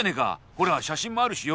ほら写真もあるしよ。